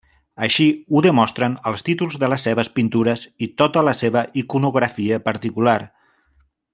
Així ho demostren els títols de les seves pintures i tota la seva iconografia particular.